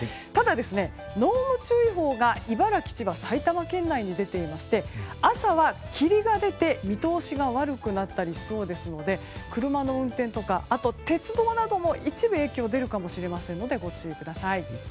ただ、濃霧注意報が茨城、千葉埼玉県内に出ていまして朝は霧がでて見通しが悪くなったりしそうですので車の運転とか鉄道なども一部、影響が出るかもしれませんのでご注意ください。